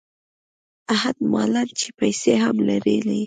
احت مالًا چې پیسې هم لرلې.